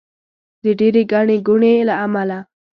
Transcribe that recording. د ډېرې ګڼې ګوڼې له امله.